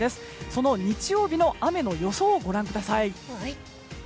その日曜日の雨の予想をご覧ください。